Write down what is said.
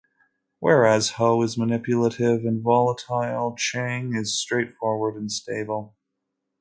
Whereas Ho is manipulative and volatile, Chang is straightforward and stable.